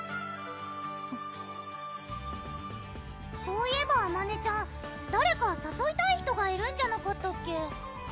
そういえばあまねちゃん誰かさそいたい人がいるんじゃなかったっけ